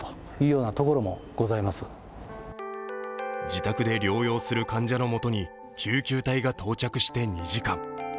自宅で療養する患者のもとに救急隊が到着して２時間。